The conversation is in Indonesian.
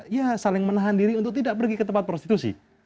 ya saling menahan diri untuk tidak pergi ke tempat prostitusi